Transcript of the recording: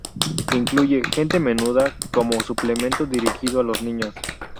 Incluye "Gente Menuda" como suplemento dirigido a los niños.